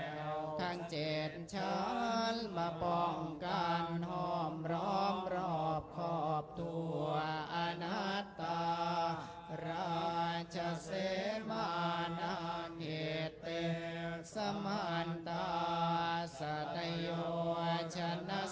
แขวงเท้าเจ็ดฉันมาป้องกันหอมรอบรอบครอบทั่วอันตาระจะเสมอนาเขตเตะสมันตาสัตยวะจะนัสตะ